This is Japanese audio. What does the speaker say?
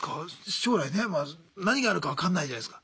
将来ねまあ何があるか分かんないじゃないすか。